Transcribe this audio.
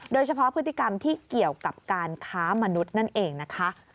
โดยเฉพาะพฤติกรรมที่เกี่ยวกับการค้ามนุษย์นั่นเองนะคะ